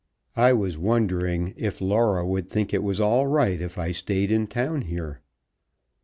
I was wondering if Laura would think it was all right if I stayed in town here?"